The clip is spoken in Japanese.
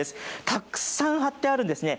たくさん貼ってあるんですね。